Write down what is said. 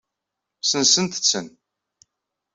Sensent-ten.